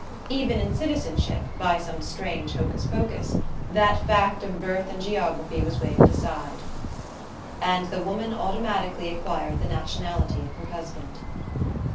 Even in citizenship, by some strange hocus pocus, that fact of birth and geography was waved aside, and the woman automatically acquired the nationality of her husband.